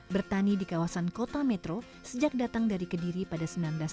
bertani di kawasan kota metro sejak datang dari kediri pada seribu sembilan ratus delapan puluh